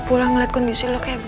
orang yang di rumah hai